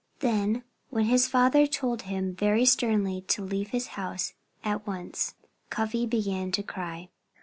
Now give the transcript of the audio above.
Then, when his father told him very sternly to leave his house at once, Cuffy began to cry.